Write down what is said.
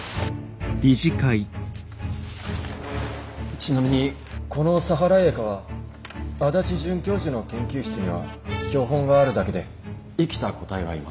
ちなみにこのサハライエカは足立准教授の研究室には標本があるだけで生きた個体はいません。